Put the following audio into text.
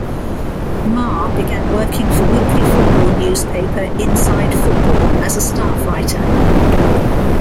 Maher began working for weekly football newspaper 'Inside Football' as a staff writer.